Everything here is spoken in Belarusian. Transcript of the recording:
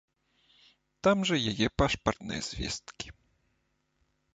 Там жа яе пашпартныя звесткі.